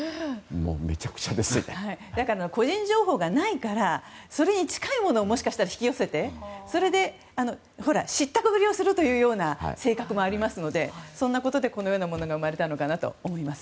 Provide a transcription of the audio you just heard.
個人情報がないからそれに近いものをもしかしたら引き寄せて、それで知ったかぶりをするというような正確もありますからそんなことでこのようなものが生まれたのかなと思います。